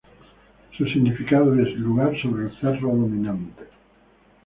Su significado es "lugar sobre el cerro dominante".